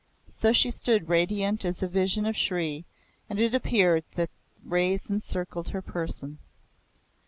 So she stood radiant as a vision of Shri, and it appeared that rays encircled her person.